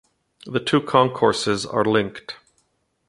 The two concourses are linked.